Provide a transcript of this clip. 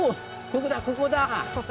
ここだここだ。